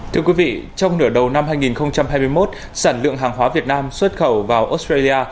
thưa quý vị trong nửa đầu năm hai nghìn hai mươi một sản lượng hàng hóa việt nam xuất khẩu vào australia